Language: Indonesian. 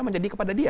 menjadi kepada dia